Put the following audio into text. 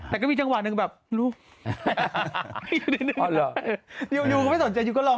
แต่ก็มีทางหวานหนึ่งแนนวววววววว